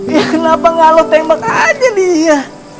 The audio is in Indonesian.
ya kenapa nggak lo tembak aja dia